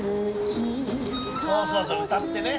そうそうそう歌ってね。